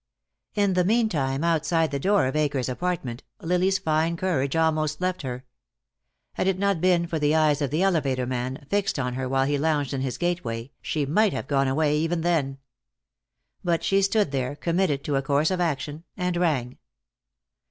In the meantime, outside the door of Akers' apartment, Lily's fine courage almost left her. Had it not been for the eyes of the elevator man, fixed on her while he lounged in his gateway, she might have gone away, even then. But she stood there, committed to a course of action, and rang.